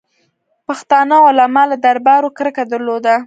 پښتانه علما له دربارو کرکه درلوده.